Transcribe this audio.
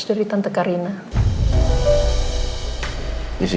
nama anak kedua mamah